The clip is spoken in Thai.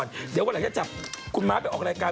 เดี๋ยวไม่รู้อย่างนั้นจะจับคุณมาม่ไปออกรายการ